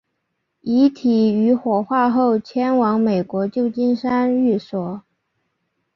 遗体于火化后迁往美国旧金山寓所。